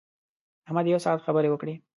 احمد یو ساعت خبرې وکړې.